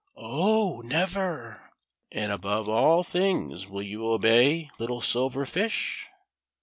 " Oh ! never !" "And above all things will you obey little Silver Fish